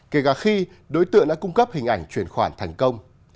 kể cả khi đối tượng đã cung cấp hình ảnh chuyển khoản thành công